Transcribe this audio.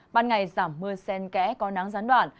ban ngày giảm mưa sen kẽ có nắng gián đoạn